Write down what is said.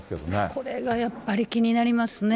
これがやっぱり気になりますね。